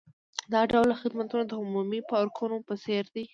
دا ډول خدمتونه د عمومي پارکونو په څیر دي